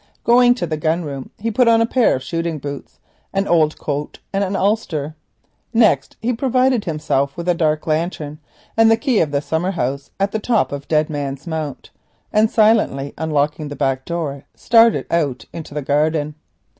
Going to the gun room he put on a pair of shooting boots, an old coat, and an ulster. Next he provided himself with a dark lantern and the key of the summer house at the top of Dead Man's Mount, and silently unlocking the back door started out into the garden.